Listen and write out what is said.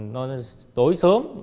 nó tối sớm